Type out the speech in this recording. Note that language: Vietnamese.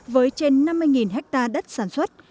với trên năm mươi hectare đất sản xuất